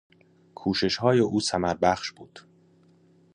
کوشش های او ثمر بخش بود.